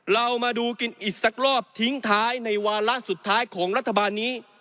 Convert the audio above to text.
เรามาดูกันอีกสักรอบทิ้งท้ายในวาระสุดท้ายของรัฐบาลนี้